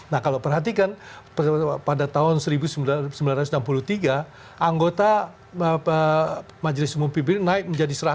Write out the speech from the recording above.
nah kalau perhatikan pada tahun seribu sembilan ratus enam puluh tiga anggota majelis umum pbb naik menjadi seratus